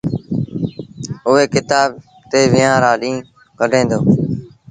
اُئي ڪتآب تي ويهآݩ رآ ڏيٚݩهݩ ڪڍي دو۔